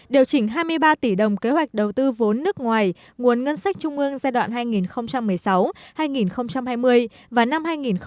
điều chỉnh hai mươi ba tỷ đồng kế hoạch đầu tư vốn nước ngoài nguồn ngân sách trung ương giai đoạn hai nghìn một mươi sáu hai nghìn hai mươi và năm hai nghìn hai mươi